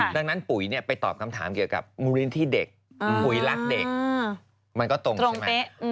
ดังนั้นปุ๋ยไปตอบคำถามเกี่ยวกับมูลินที่เด็กปุ๋ยรักเด็กมันก็ตรงใช่ไหม